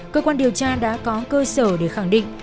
cơ quan điều tra đã có cơ sở để khẳng định